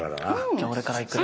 じゃあ俺からいくね。